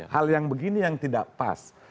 hal yang begini yang tidak pas